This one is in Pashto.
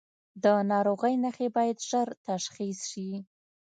د ناروغۍ نښې باید ژر تشخیص شي.